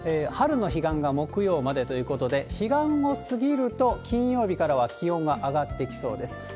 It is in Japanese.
春の彼岸が木曜までということで、彼岸を過ぎると、金曜日からは気温が上がってきそうです。